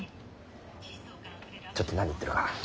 ちょっと何言ってるか。